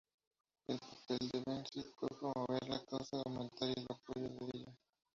El papel de Ben-Zvi fue promover la causa y aumentar el apoyo a ella.